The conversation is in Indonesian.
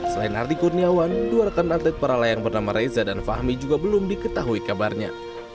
selain ardi kurniawan dua rekan atlet para layang bernama reza dan fahmi juga belum diketahui kabarnya